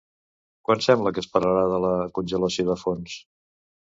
Quan sembla que es parlarà de la congelació de fons?